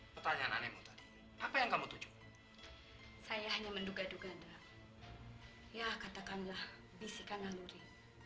pertanyaan aneh apa yang kamu tuju saya hanya menduga duga ya katakanlah bisikana luri